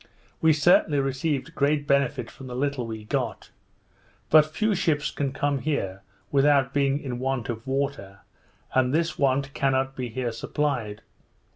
We certainly received great benefit from the little we got; but few ships can come here without being in want of water, and this want cannot be here supplied.